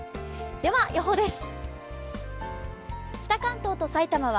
では予報です。